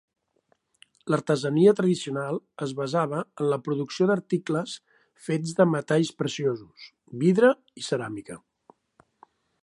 L'artesania tradicional es basava en la producció d'articles fets de metalls preciosos, vidre i ceràmica.